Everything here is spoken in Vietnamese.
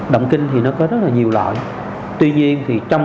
động kinh thì nó có rất là nhiều loại